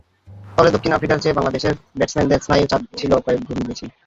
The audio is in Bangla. ফলে দক্ষিণ আফ্রিকার চেয়ে বাংলাদেশের ব্যাটসম্যানদের স্নায়ু চাপ ছিল কয়েক গুণ বেশি।